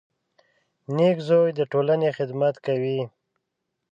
• نېک زوی د ټولنې خدمت کوي.